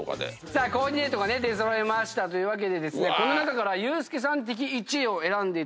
さあコーディネートが出揃いましたというわけでこの中からユースケさん的１位を選んでいただきたい。